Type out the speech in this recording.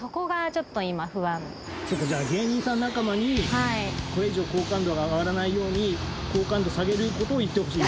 ちょっとじゃあ芸人さん仲間にこれ以上好感度が上がらないように好感度下げる事を言ってほしい。